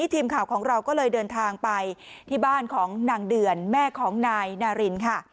ให้อภัยมันไม่ได้